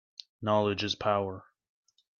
Knowledge is power